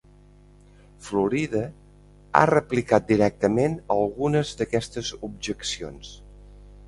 Florida ha replicat directament algunes d'aquestes objeccions.